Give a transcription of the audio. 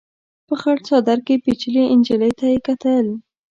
په خړ څادر کې پيچلې نجلۍ ته يې وکتل.